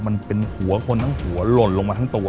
ทั้งหัวคนนั่งหัวหล่นลงมาทั้งตัว